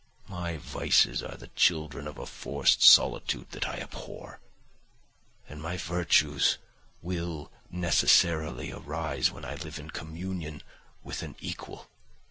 My vices are the children of a forced solitude that I abhor, and my virtues will necessarily arise when I live in communion with an equal.